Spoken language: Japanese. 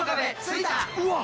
うわっ！